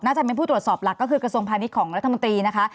จะเป็นผู้ตรวจสอบหลักก็คือกระทรวงพาณิชย์ของรัฐมนตรีนะคะ